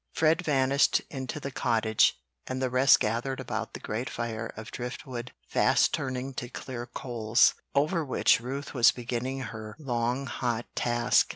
Fred vanished into the cottage, and the rest gathered about the great fire of driftwood fast turning to clear coals, over which Ruth was beginning her long hot task.